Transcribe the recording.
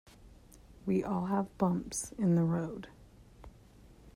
We all have bumps in the road.